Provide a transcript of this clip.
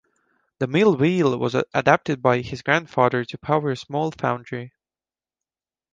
The mill-wheel was adapted by his grandfather to power a small foundry.